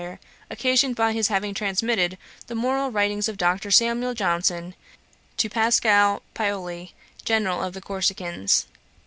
occasioned by his having transmitted the moral Writings of Dr. Samuel Johnson to Pascal Paoli, General of the Corsicans_.